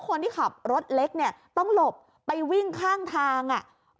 คนที่ขับรถเล็กเนี่ยต้องหลบไปวิ่งข้างทางอ่ะ